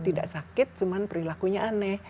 tidak sakit cuman perilakunya aneh